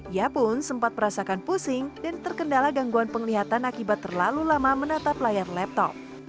ia pun sempat merasakan pusing dan terkendala gangguan penglihatan akibat terlalu lama menatap layar laptop